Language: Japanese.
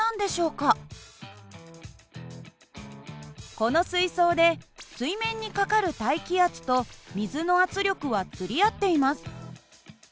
この水槽で水面にかかる大気圧と水の圧力は釣り合っています。